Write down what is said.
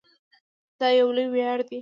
دا یو لوی ویاړ دی.